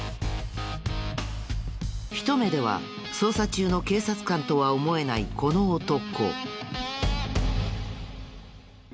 ひと目では捜査中の警察官とは思えないこの男。